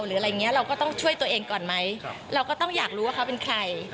หรืออะไรอย่างเงี้ยเราก็ต้องช่วยตัวเองก่อนไหมเราก็ต้องอยากรู้ว่าเขาเป็นใคร